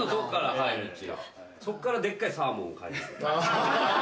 そっからでっかいサーモンを買いに。